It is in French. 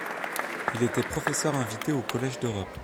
Il était professeur invité au Collège d'Europe.